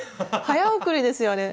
早送りですよあれ。